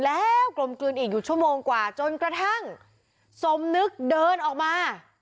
แล้วกลมกลืนอีกอยู่ชั่วโมงกว่าจนกระทั่งสมนึกเดินออกมา